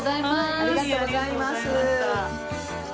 ありがとうございます。